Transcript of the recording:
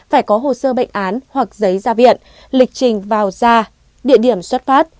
phải có hồ sơ bệnh án hoặc giấy ra viện lịch trình vào ra địa điểm xuất phát